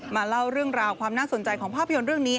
เล่าเรื่องราวความน่าสนใจของภาพยนตร์เรื่องนี้